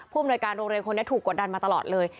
อำนวยการโรงเรียนคนนี้ถูกกดดันมาตลอดเลย